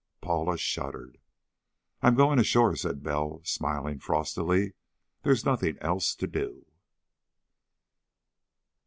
Paula shuddered. "I'm going ashore," said Bell, smiling frostily. "There's nothing else to do."